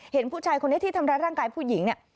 เห็นผู้ชายคนนี้ที่ทำร้ายร่างกายผู้หญิงเนี่ย